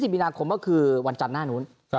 มีนาคมก็คือวันจันทร์หน้านู้น